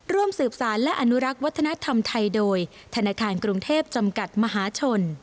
ร่วมสืบสารและอนุรักษ์วัฒนธรรมไทยโดยธนาคารกรุงเทพจำกัดมหาชน